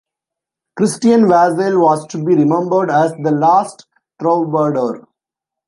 Cristian Vasile was to be remembered as "the last troubadour".